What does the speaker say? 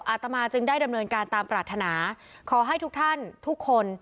อาตมาจึงได้ดำเนินการตามปรารถนาขอให้ทุกท่านทุกคน